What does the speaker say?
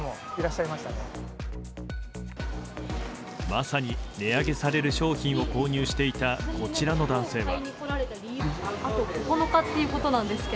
まさに値上げされる商品を購入していた、こちらの男性は。